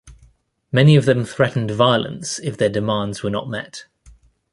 Many of them threatened violence if their demands were not met.